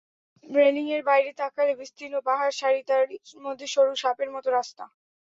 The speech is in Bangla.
রেলিঙের বাইরে তাকালে বিস্তীর্ণ পাহাড় সারি, তার মধ্যে সরু সাপের মতো রাস্তা।